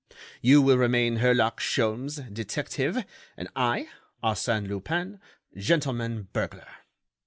You will remain Herlock Sholmes, detective, and I, Arsène Lupin, gentleman burglar.